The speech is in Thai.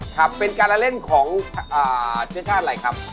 ครับเป็นการละเล่นของเชื้อชาติอะไรครับ